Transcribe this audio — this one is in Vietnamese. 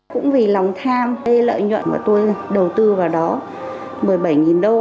cũng vì lòng tham lợi nhuận mà tôi đầu tư vào đó một mươi bảy đô